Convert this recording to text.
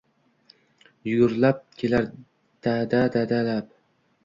Yugurgilab kelar «Dada-dadalab».